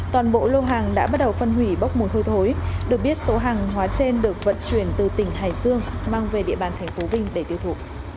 toàn bộ lô hàng đã bắt đầu phân hủy bốc mùi hôi thối được biết số hàng hóa trên được vận chuyển từ tỉnh hải dương mang về địa bàn tp vinh để tiêu thụ